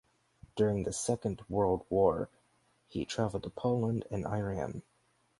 During the Second World War he travelled to Poland and Iran.